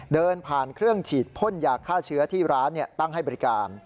เดินผ่านเครื่องฉีดพ่นยาฆ่าเชื้อที่ร้านตั้งให้บริการ